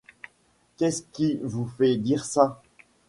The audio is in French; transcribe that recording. Qu'est-ce qui vous fait dire ça ?